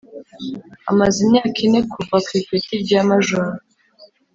amaze imyaka ine kuva ku ipeti rya Majoro